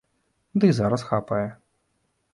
Ды і зараз хапае.